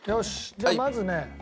じゃあまずね。